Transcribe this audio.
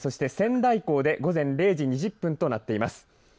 仙台港で午前０時２０分となっています。